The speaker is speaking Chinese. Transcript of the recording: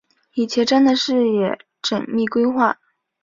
以前瞻的视野缜密规划